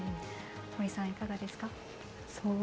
堀さん、いかがですか？